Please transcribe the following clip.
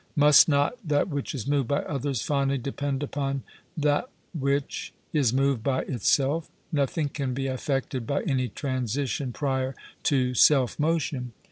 Must not that which is moved by others finally depend upon that which is moved by itself? Nothing can be affected by any transition prior to self motion.